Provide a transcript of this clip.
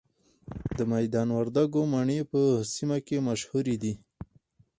د میدان وردګو مڼې په سیمه کې مشهورې دي.